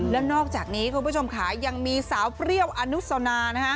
และนอกจากนี้คุณผู้ชมขายังมีสาวเปรี้ยวอานุสนา